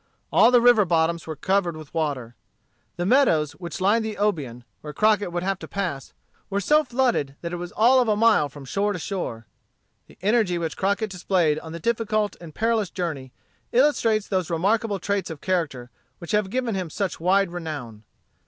All the river bottoms were covered with water. The meadows which lined the Obion, where Crockett would have to pass, were so flooded that it was all of a mile from shore to shore. The energy which Crockett displayed on the difficult and perilous journey, illustrates those remarkable traits of character which have given him such wide renown.